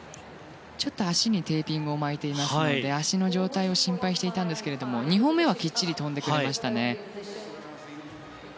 ちょっと足にテーピングを巻いていたので足の状態を心配していたんですが２本目はきっちり跳んでくれましたね。